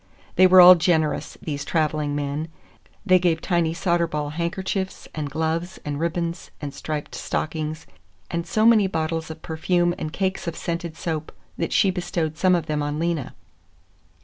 They were all generous, these traveling men; they gave Tiny Soderball handkerchiefs and gloves and ribbons and striped stockings, and so many bottles of perfume and cakes of scented soap that she bestowed some of them on Lena.